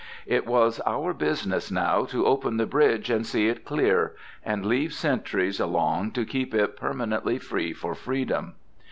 It was our business now to open the bridge and see it clear, and leave sentries along to keep it permanently free for Freedom.